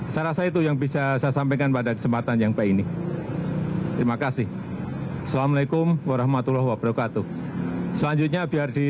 saya rasa itu yang bisa saya sampaikan pada kesempatan yang baik ini